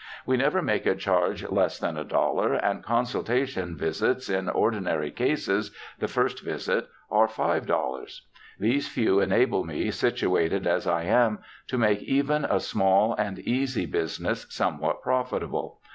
We never make a charge less than a dollar; and consultation visits in ordinary cases — the first visit — are S5.00. These few enable me, situated as I am, to make even a small and easy business somewhat profitable.